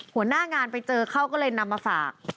หัวหน้างานไปเจอเขาก็เลยนำมาฝาก